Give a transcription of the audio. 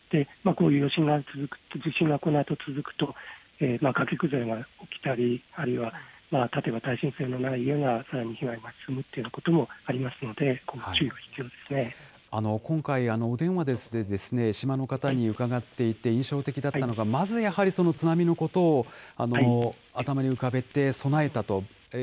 こういう余震が、地震がこのあと続くと、崖崩れが起きたり、あるいは例えば耐震性のない家が被害が続くということがありますので、今回、お電話で島の方に伺っていて印象的だったのが、まずやはり津波のことを頭に浮かべて備えたと。